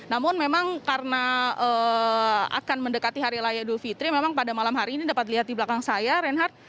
namun memang karena akan mendekati hari layak dufitri memang pada malam hari ini dapat dilihat di belakang saya renhardt